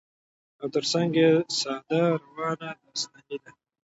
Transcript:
او تر څنګ يې ساده، روانه داستاني ده